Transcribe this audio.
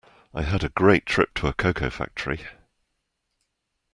I had a great trip to a cocoa factory.